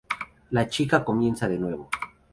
La chica comienza de nuevo.